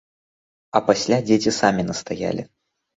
А пасля дзеці самі настаялі!